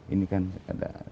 ini kan ada